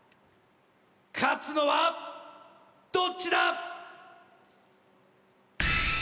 勝つのはどっちだ？